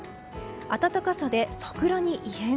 暖かさで桜に異変？